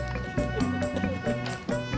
pusulnya nampas kutatinya